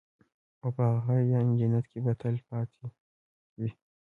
او په هغه يعني جنت كي به تل تلپاتي وي